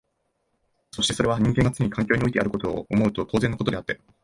そしてそれは人間がつねに環境においてあることを思うと当然のことであって、